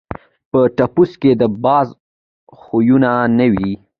په ټپوس کي د باز خویونه نه وي.